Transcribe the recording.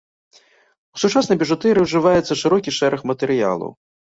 У сучаснай біжутэрыі ўжываецца шырокі шэраг матэрыялаў.